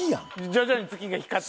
徐々に月が光って。